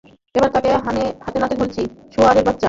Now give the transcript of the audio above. এবার তোকে হাতেনাতে ধরেছি, শুয়োরের বাচ্চা!